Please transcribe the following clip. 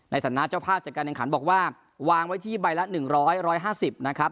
ฐานะเจ้าภาพจัดการแข่งขันบอกว่าวางไว้ที่ใบละ๑๐๐๑๕๐นะครับ